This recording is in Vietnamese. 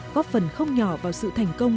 góp phần không nhỏ vào sự thành công